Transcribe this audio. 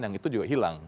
yang itu juga hilang